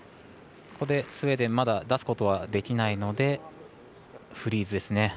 ここでスウェーデンまだ出すことはできないのでフリーズですね。